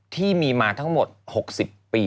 ที่มีมาทั้งหมด๖๐ปี